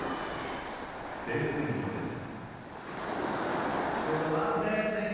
不正選挙です。